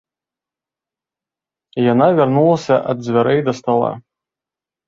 Яна вярнулася ад дзвярэй да стала.